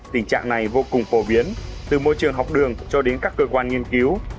tình trạng này vô cùng phổ biến từ môi trường học đường cho đến các cơ quan nghiên cứu